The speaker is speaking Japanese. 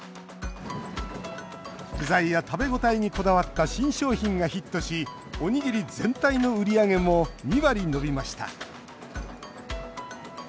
具材や食べ応えにこだわった新商品がヒットしおにぎり全体の売り上げも２割伸びました。